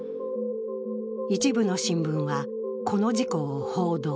一部の新聞は、この事故を報道。